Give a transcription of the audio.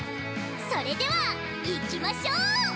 それではいきましょう！